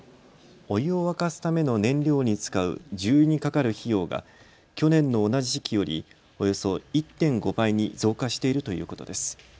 お湯を沸かすための燃料に使う重油にかかる費用が去年の同じ時期よりおよそ１．５倍に増加しているということです。